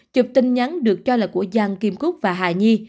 chụp tin nhắn được cho là của giang kim cúc và hà nhi